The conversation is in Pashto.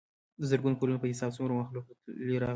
دَ زرګونو کلونو پۀ حساب څومره مخلوق تلي راغلي